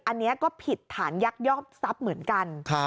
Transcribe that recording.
อันนี้ก็ผิดฐานยักยอกทรัพย์เหมือนกัน